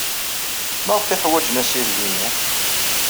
Maɣef ay ḥwajen assireg-inu?